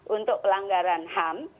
untuk pelanggaran ham